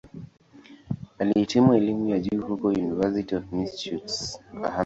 Alihitimu elimu ya juu huko "University of Massachusetts-Amherst".